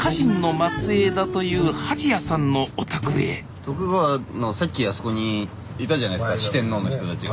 徳川のさっきあそこにいたじゃないですか四天王の人たちが。